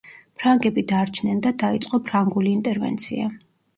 ფრანგები დარჩნენ და დაიწყო ფრანგული ინტერვენცია.